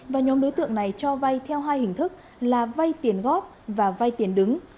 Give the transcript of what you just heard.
và nhóm đối tượng này cho vay theo hai hình thức là vay tiền góp và vay tiền đứng